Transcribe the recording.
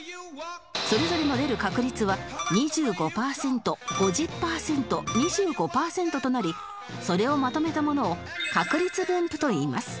それぞれの出る確率は２５パーセント５０パーセント２５パーセントとなりそれをまとめたものを確率分布といいます